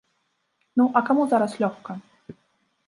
Ну, а каму зараз лёгка?